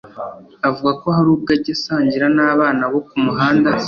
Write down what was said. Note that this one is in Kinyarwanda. avuga ko hari ubwo ajya asangira n’abana bo ku muhanda